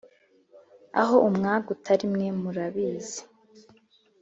Aho umwaga utari mwe murabizi